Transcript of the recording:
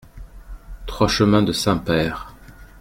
trois chemin de Saint-Père